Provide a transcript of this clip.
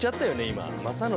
今。